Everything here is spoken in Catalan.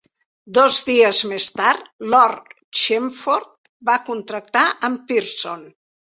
Dos dies més tard, Lord Chelmford va contactar amb Pearson.